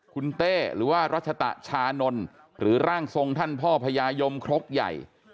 คุณเต้หรือว่ารัชตะชานนท์หรือร่างทรงท่านพ่อพญายมครกใหญ่